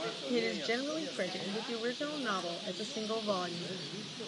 It is generally printed with the original novel as a single volume.